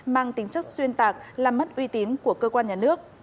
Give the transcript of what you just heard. mang tính chất xuyên tạc làm mất uy tín của cơ quan nhà nước